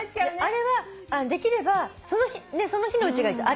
あれはできればその日のうちがいいですよ